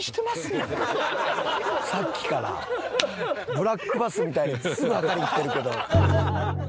ブラックバスみたいにすぐ測りにきてるけど。